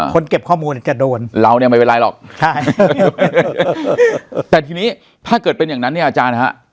เก็บข้อมูลจะโดนเราเนี่ยไม่เป็นไรหรอกใช่แต่ทีนี้ถ้าเกิดเป็นอย่างนั้นเนี่ยอาจารย์ฮะ